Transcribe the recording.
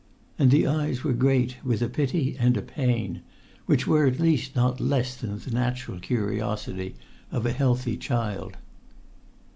And the eyes were great with a pity and a pain which were at least not less than the natural curiosity of a healthy child.